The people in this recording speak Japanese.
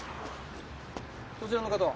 そちらの方は？